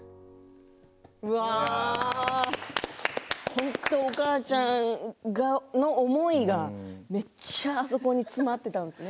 本当お母ちゃんの思いがめっちゃあそこに詰まってたんですね。